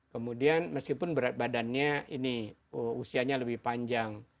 kemudian meskipun berat badannya ini usianya lebih panjang